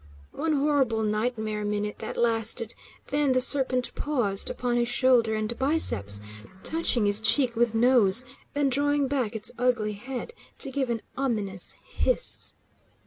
One horrible nightmare minute that lasted, then the serpent paused upon his shoulder and biceps, touching his cheek with nose, then drawing back its ugly head to give an ominous hiss.